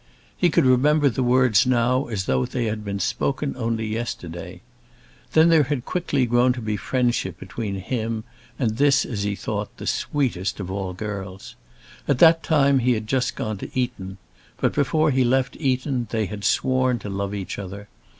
He could remember the words now as though they had been spoken only yesterday. Then there had quickly grown to be friendship between him and this, as he thought, sweetest of all girls. At that time he had just gone to Eton; but before he left Eton they had sworn to love each other.